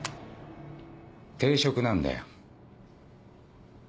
定食なんだよ。